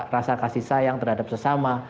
rasa kasih sayang terhadap sesama